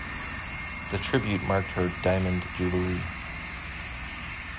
The Tribute marked her Diamond Jubilee.